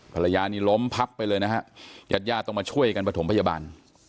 ภรรยานี่ล้มพักไปเลยนะครับยัดยาต้องมาช่วยกันประถมพยาบาล